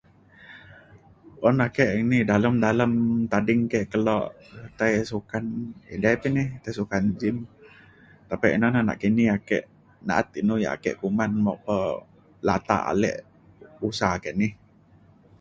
un ake ini dalem dalem tading ke kelo tai sukan edei pa ini tai sukan gym tapi ina na nakini ake na’at inu ia’ ake kuman mok pa latak ale usa ke ni.